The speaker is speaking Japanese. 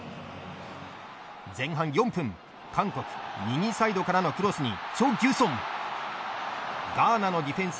前半４分韓国、右サイドからのクロスにチョ・ギュソン。